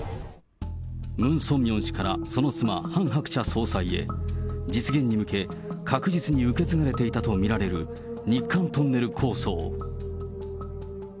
ムン・ソンミョン氏から、その妻、ハン・ハクチャ総裁へ、実現に向け、確実に受け継がれていたと見られる日韓トンネル構想。